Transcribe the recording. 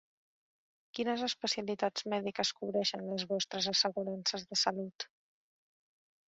Quines especialitats mèdiques cobreixen les vostres assegurances de salut?